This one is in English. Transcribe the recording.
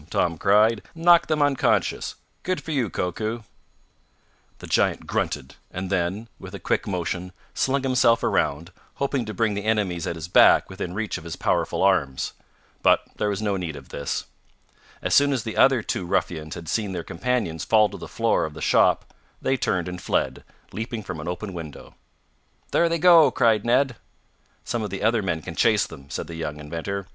Tom cried. "Knocked them unconscious. Good for you, Koku!" The giant grunted, and then, with a quick motion, slung himself around, hoping to bring the enemies at his back within reach of his powerful arms. But there was no need of this. As soon as the other two ruffians had seen their companions fall to the floor of the shop they turned and fled, leaping from an open window. "There they go!" cried Ned. "Some of the other men can chase them," said the young inventor.